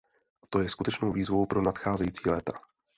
A to je skutečnou výzvou pro nadcházející léta.